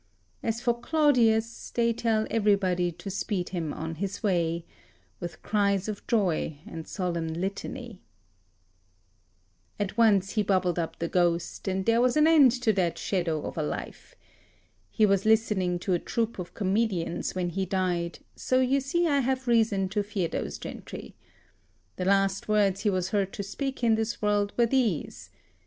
As for Claudius, they tell everybody to speed him on his way With cries of joy and solemn litany. At once he bubbled up the ghost, and there was an end to that shadow of a life. He was listening to a troupe of comedians when he died, so you see I have reason to fear those gentry. The last words he was heard to speak in this world were these.